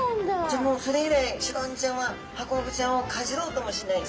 じゃあもうそれ以来シロワニちゃんはハコフグちゃんをかじろうともしない？